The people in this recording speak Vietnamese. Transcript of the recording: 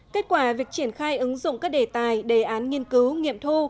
kết quả việc triển khai ứng dụng các đề tài đề án nghiên cứu nghiệm thu